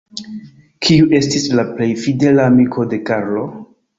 Kiu estis la plej fidela amiko de Karlo?